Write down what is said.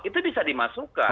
itu bisa dimasukkan